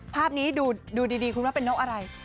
ภาพนี้ดูดีคุณว่าเป็นนกอะไร